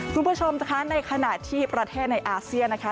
คุณผู้ชมนะคะในขณะที่ประเทศในอาเซียนนะคะ